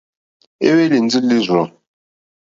É hwélì ndí lǐrzɔ̀.